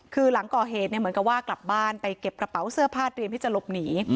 คือหลังก่อเหตุเหมือนกับว่ากลับบ้านไปเก็บกระเป๋าเสื้อผ้าเตรียมที่จะหลบหนี